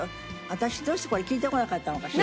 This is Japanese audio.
私どうしてこれ聞いてこなかったのかしら？